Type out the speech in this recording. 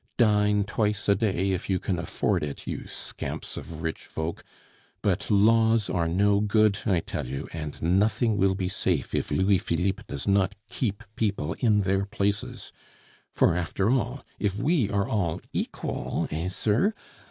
Dine twice a day if you can afford it, you scamps of rich folk! But laws are no good, I tell you, and nothing will be safe if Louis Philippe does not keep people in their places; for, after all, if we are all equal, eh, sir?